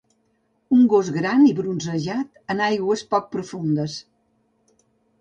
Un gos gran i bronzejat en aigües poc profundes.